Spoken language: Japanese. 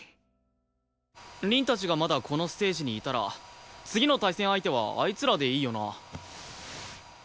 凛たちがまだこのステージにいたら次の対戦相手はあいつらでいいよな？